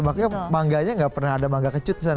makanya manganya nggak pernah ada mangga kecut di sana